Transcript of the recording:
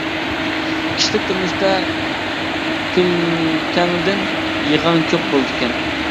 كىشىلىك تۇرمۇشتا كۈلكەڭدىن يىغاڭ كۆپ بولىدىكەن.